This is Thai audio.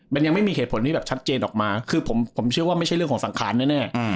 มันยังไม่มีเหตุผลที่แบบชัดเจนออกมาคือผมเชื่อว่าไม่ใช่เรื่องของสังขารแน่